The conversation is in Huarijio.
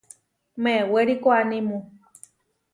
Mewéri koanímu.